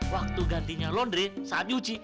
waktu gantinya laundry saat nyuci